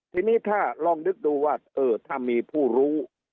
ทีนี้ถ้าลองนึกดูว่าเออถ้ามีผู้รู้